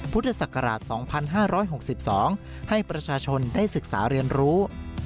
พุทธศักราช๒๕๖๒ให้ประชาชนได้ศึกษาเรียนรู้